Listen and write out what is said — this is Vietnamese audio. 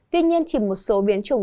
tuy nhiên chỉ một số biến chủng